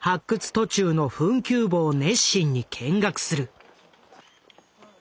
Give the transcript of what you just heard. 途中の墳丘墓を熱心に見学する。